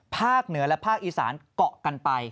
ภาคเหนือและภาคอีสานเกาะกันไป